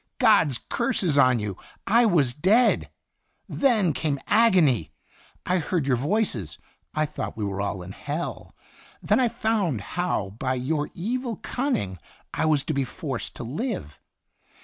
God's curses on you! I was dead. Then came agony. I heard your voices. I thought we were all in hell. Then I found how by your evil cunning I was to be forced to live.